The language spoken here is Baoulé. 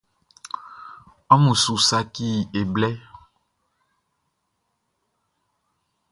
Amun su saci e blɛ.